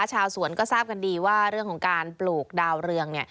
ชาวสวนก็ทราบกันดีว่าเรื่องของการปลูกดาวเรือง